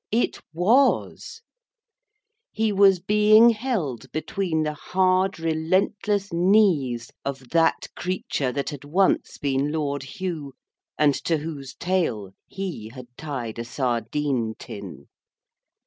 It was. He was being held between the hard, relentless knees of that creature that had once been Lord Hugh, and to whose tail he had tied a sardine tin.